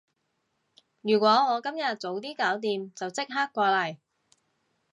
如果我今日早啲搞掂，就即刻過嚟